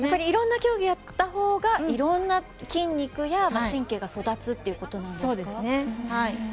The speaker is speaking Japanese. いろいろな競技やったほうがいろんな筋肉や神経が育つということなんですか。